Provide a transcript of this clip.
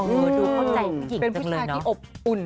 ดูเข้าใจจริงจังเลยนะเป็นผู้ชายที่อบอุ่น